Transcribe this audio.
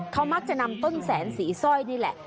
เขามักจะนำต้นแสนสีสร้อยนี่แหละ